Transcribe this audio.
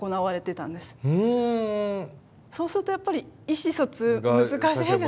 そうするとやっぱり意思疎通難しいじゃないですか。